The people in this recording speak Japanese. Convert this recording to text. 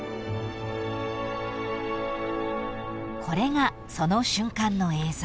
［これがその瞬間の映像］